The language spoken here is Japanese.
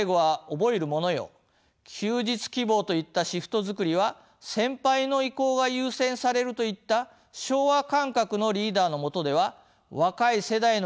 「休日希望といったシフト作りは先輩の意向が優先される」といった昭和感覚のリーダーの下では若い世代の人材は定着しません。